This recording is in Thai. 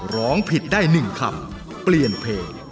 ร้องผิดได้๑คำเปลี่ยนเพลง